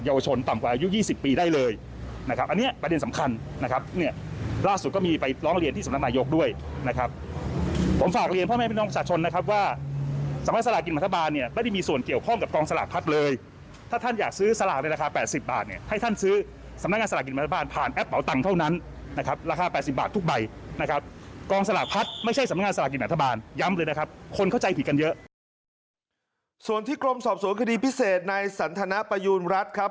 ส่วนที่กรมสอบสวนคดีพิเศษในสันทนประยูณรัฐครับ